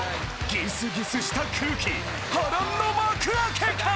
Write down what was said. ギスギスした空気波乱の幕開けか！？